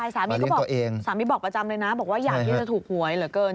ใช่สามีก็บอกประจำเลยนะบอกว่าอย่างนี้จะถูกหวยเหลือเกิน